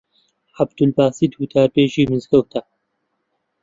عەبدولباست وتاربێژی مزگەوتە